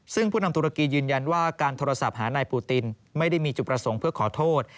ซึ่งผู้นำตุรกียืนยันว่าการโทรศัพท์หานายปูตินไม่ได้มีจุดประสงค์เพื่อขอโทษ